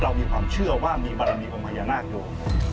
เรามีความเชื่อว่ามีบรรณีของภัยนาคอยู่